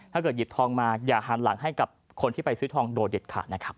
หยิบทองมาอย่าหันหลังให้กับคนที่ไปซื้อทองโดยเด็ดขาดนะครับ